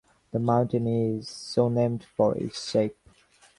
The mountain is so named for its shape.